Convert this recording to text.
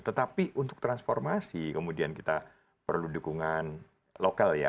tetapi untuk transformasi kemudian kita perlu dukungan lokal ya